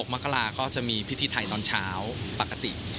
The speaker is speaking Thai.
มกราก็จะมีพิธีไทยตอนเช้าปกติ